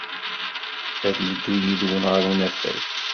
Ad yeddu yid-wen ɣer unafag.